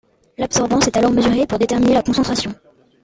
L'absorbance est alors mesurée pour déterminer la concentration.